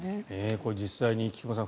これ、実際に菊間さん